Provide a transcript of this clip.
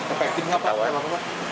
efektif nggak pak